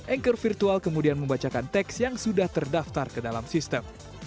anchor virtual kemudian membacakan teks yang sudah terdaftar ke dalam sistem